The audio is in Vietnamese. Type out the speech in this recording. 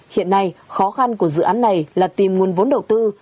hiện nay khó khăn của dự án này là tìm nguồn vốn đầu tư